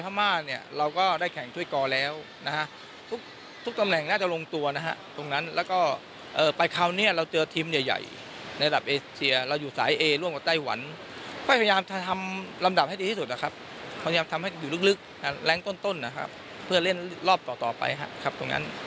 เพื่อเล่นรอบต่อไปครับตรงนั้น